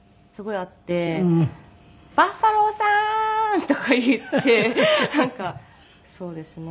「バファローさーん！」とか言ってなんかそうですね。